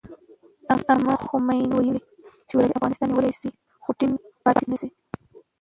امام خمیني ویلي، شوروي افغانستان نیولی شي خو ټینګ پاتې نه شي.